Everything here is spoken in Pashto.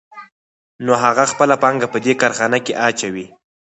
نو هغه خپله پانګه په دې کارخانه کې اچوي